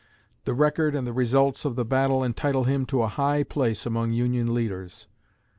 The record and the results of the battle entitle him to a high place among Union leaders.